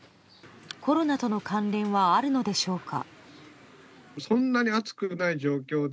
コロナとの関連はあるのでしょうか。